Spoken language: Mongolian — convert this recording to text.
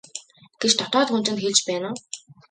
гэж дотоод хүн чинь хэлж байна уу?